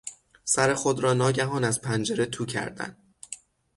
سر خود را ناگهان از پنجره تو کردن